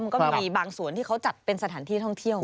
ก็มีบางส่วนที่เขาจัดเป็นสถานที่ท่องเที่ยว